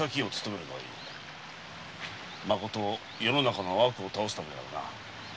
まこと世の中の悪を倒すためならな。